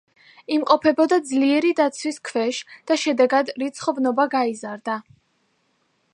იმყოფებოდა ძლიერი დაცვის ქვეშ და შედეგად რიცხოვნობა გაიზარდა.